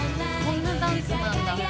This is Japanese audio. こんなダンスなんだ。